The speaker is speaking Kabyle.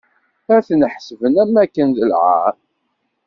Ad ten-ḥesben am wakken d lɛar.